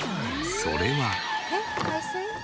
それは。